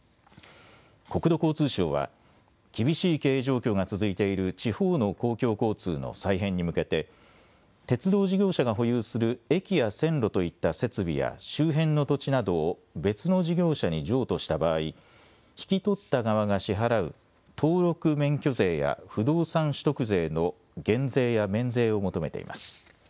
国土交通省は厳しい経営状況が続いている地方の公共交通の再編に向けて鉄道事業者が保有する駅や線路といった設備や周辺の土地などを別の事業者に譲渡した場合、引き取った側が支払う登録免許税や不動産取得税の減税や免税を求めています。